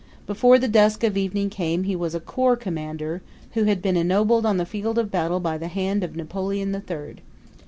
Before the dusk of evening came he was a corps commander, who had been ennobled on the field of battle by the hand of Napoleon the Third.